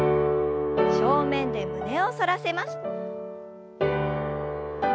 正面で胸を反らせます。